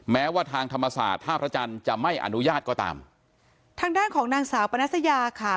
แม้ว่าทางธรรมศาสตร์ท่าพระจันทร์จะไม่อนุญาตก็ตามทางด้านของนางสาวปนัสยาค่ะ